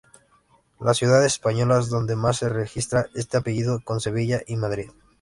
Las ciudades españolas donde más se registra este apellido son Sevilla y Madrid.